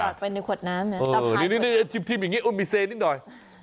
อย่าไปในขวดน้ำเออทีมอย่างเงี้ยนิดหน่อย